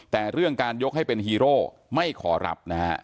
แต่เรื่องการยกให้เป็นฮีโร่ไม่ขอรับนะฮะ